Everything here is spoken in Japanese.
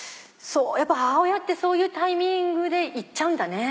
母親ってそういうタイミングでいっちゃうんだね。